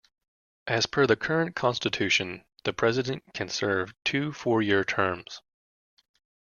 As per the current Constitution, the President can serve two four-year terms.